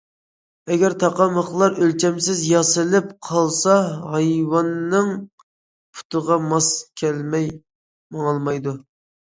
ئەگەر تاقا، مىخلار ئۆلچەمسىز ياسىلىپ قالسا ھايۋاننىڭ پۇتىغا ماس كەلمەي ماڭالمايدۇ.